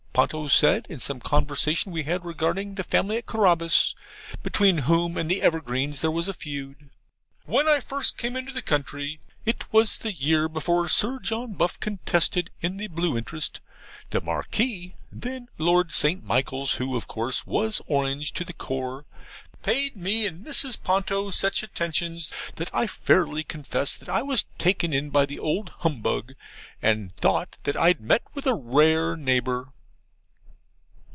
Ponto said, in some conversation we had regarding the family at Carabas, between whom and the Evergreens there was a feud. 'When I first came into the county it was the year before Sir John Buff contested in the Blue interest the Marquis, then Lord St. Michaels, who, of course, was Orange to the core, paid me and Mrs. Ponto such attentions, that I fairly confess I was taken in by the old humbug, and thought that I'd met with a rare neighbour.